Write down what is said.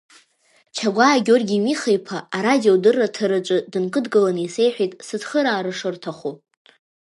Чагәаа Георги Миха-иԥа арадиодырраҭараҿы дынкыдгыланы исеиҳәеит сыцхыраара шырҭаху.